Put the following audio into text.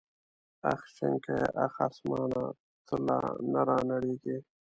اخ شنکيه اخ اسمانه ته لا نه رانړېږې.